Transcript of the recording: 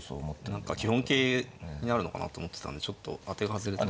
何か基本形になるのかなと思ってたんでちょっと当てが外れた。